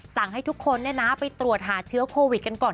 สั่งให้ทุกคนน่ะนะไปตรวจหาเชื้อโควิดกันก่อน